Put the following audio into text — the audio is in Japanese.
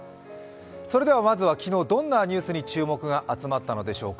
それではまずは昨日、どんなニュースに注目が集まったのでしょうか。